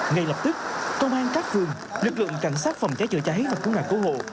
ngay lập tức công an các vườn lực lượng cảnh sát phòng cháy chở cháy và quân hạc cố hộ